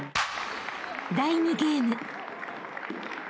［第２ゲーム］